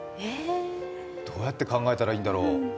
どうやって考えたらいいんだろう？